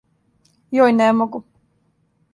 Јој, не могу!